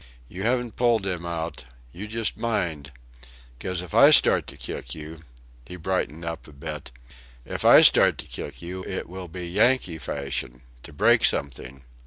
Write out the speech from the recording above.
You haven't pulled him out. You just mind! 'Cos if I start to kick you" he brightened up a bit "if I start to kick you, it will be Yankee fashion to break something!"